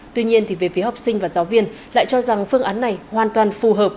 tuy nhiên về phía học sinh và giáo viên lại cho rằng phương án này hoàn toàn phù hợp